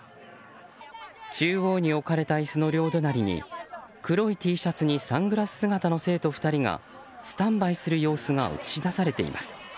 中央に置かれた椅子の両隣に黒いＴシャツにサングラス姿の生徒２人がスタンバイする様子が映し出されています。